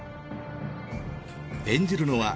演じるのは。